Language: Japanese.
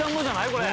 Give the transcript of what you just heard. これ。